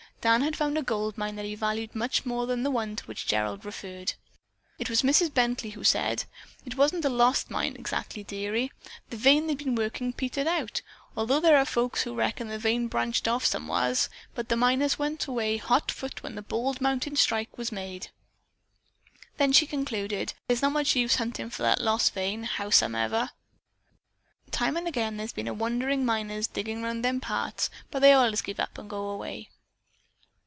Dan had found a gold mine that he valued much more than the one to which Gerald referred. It was Mrs. Bently who said, "It wasn't a lost mine, exactly, dearie. The vein they'd been workin' petered out, although there are folks who reckon that vein branched off somewhars, but the miners went away hot foot when the Bald Mountain Strike was made." Then she concluded: "There's not much use huntin' for that lost vein, how some ever. Time and again there's been wanderin' miners diggin' around in them parts, but they allays give up and go away."